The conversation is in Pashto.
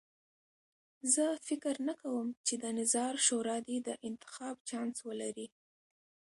زه فکر نه کوم چې د نظار شورا دې د انتخاب چانس ولري.